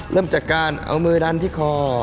เริ่มจากการเอามือดันที่คอ